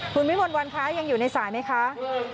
คุณวิมนต์วันคะยังอยู่ในสายไหมคะ